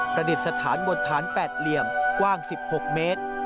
ประดิษฐานบนฐาน๘เหลี่ยมกว้าง๑๖เมตร